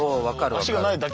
脚がないだけ。